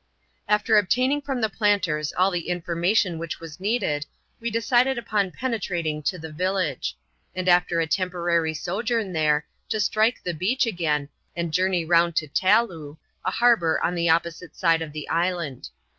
After obtaining from the planters all the information which was needed, we decided upon penetrating to the village ; and after a temporary sojourn there, to strike the beach again, and journey round to Taloo, a harbour on the opposite side of the island.